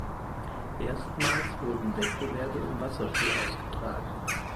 Erstmals wurden Wettbewerbe im Wasserski ausgetragen.